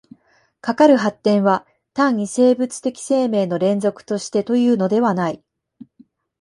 かかる発展は単に生物的生命の連続としてというのではない。